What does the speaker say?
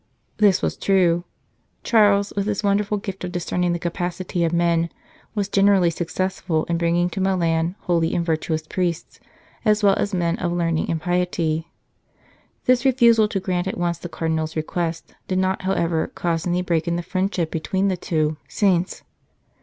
This was true. Charles, with his wonderful gift of discerning the capacity of men, was generally successful in bringing to Milan holy and virtuous priests as well as men of learning and piety. This refusal to grant at once the Cardinal s request did not, however, cause any break in the friendship between the two saints.